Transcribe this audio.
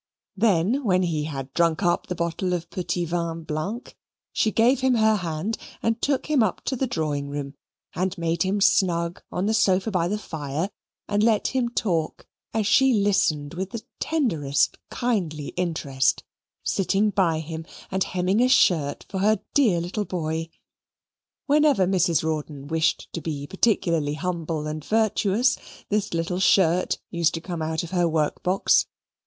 Then when he had drunk up the bottle of petit vin blanc, she gave him her hand, and took him up to the drawing room, and made him snug on the sofa by the fire, and let him talk as she listened with the tenderest kindly interest, sitting by him, and hemming a shirt for her dear little boy. Whenever Mrs. Rawdon wished to be particularly humble and virtuous, this little shirt used to come out of her work box.